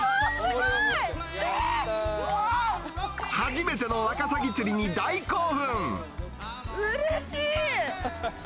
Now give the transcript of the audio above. うそ、初めてのワカサギ釣りに大興うれしい。